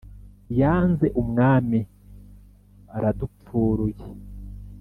Yanze Umwami, aradupfuruye,